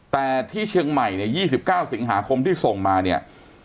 แต่ที่เชียงใหม่เนี่ย๒๙สิงหาคมที่ส่งมาเนี่ย